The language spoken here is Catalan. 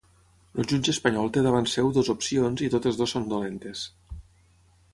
El jutge espanyol té davant seu dues opcions i totes dues són dolentes.